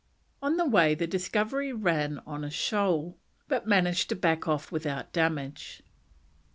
On the way the Discovery ran on a shoal, but managed to back off without damage.